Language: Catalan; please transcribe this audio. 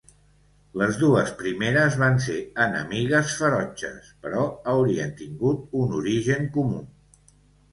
Les dues primeres van ser enemigues ferotges però haurien tingut un origen comú.